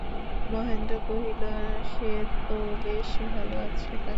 মহেন্দ্র কহিল, সে তো বেশ ভালো আছে কাকীমা।